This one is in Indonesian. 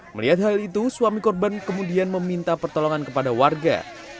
melihat hal itu suami korban kemudian meminta pertolongan kepada warga